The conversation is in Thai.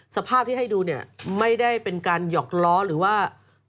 สภาพที่ให้ดูเนี่ยไม่ได้เป็นการหยอกล้อหรือว่า